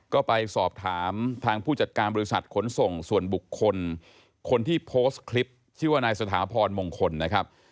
ก็ไปสอบถามทางผู้จัดการบริษัทขนส่งส่วนบุคคลคนที่โพสต์คลิปชื่อว่านายสถาพรมงคลนะครับ